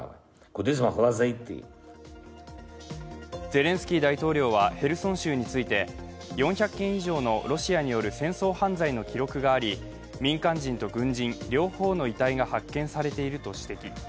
ゼレンスキー大統領はヘルソン州について４００件以上のロシアによる戦争犯罪の記録があり、民間人と軍人、両方の遺体が発見されていると指摘。